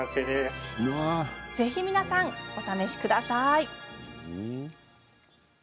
ぜひ皆さん、お試しください。